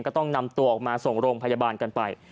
ก็ต้องนำตัวออกมาส่งโรงพยาบาลกันไป